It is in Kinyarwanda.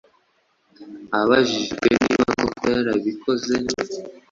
abajijwe niba koko yarabikoze